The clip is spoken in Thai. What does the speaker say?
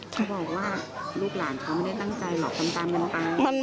เขาบอกว่าลูกหลานเขาไม่ได้ตั้งใจหรอกทำตามกันตาม